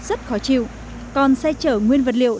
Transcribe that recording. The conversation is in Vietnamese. rất khó chịu còn xe chở nguyên vật liệu